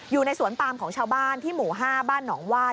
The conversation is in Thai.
อยู่ในสวนปามของชาวบ้านที่หมู่๕บ้านหนองวาด